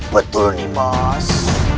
betul nih mas